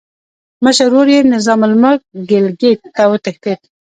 مشر ورور یې نظام الملک ګیلګیت ته وتښتېد.